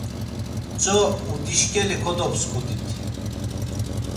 Tzo udişǩeli kodopsǩudit.